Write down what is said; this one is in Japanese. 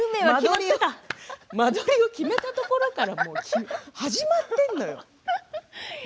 間取りを決めたところから始まってるのよ！